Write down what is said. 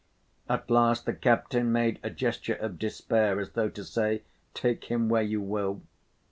At last the captain made a gesture of despair as though to say, "Take him where you will."